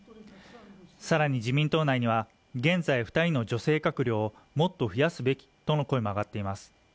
さらに自民党内には現在二人の女性閣僚をもっと増やすべきとの声も上がっています